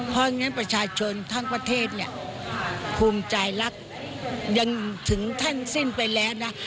เพราะฉะนั้นประชาชนทั้งประเทศเนี่ยภูมิใจรักยังถึงขั้นสิ้นไปแล้วนะ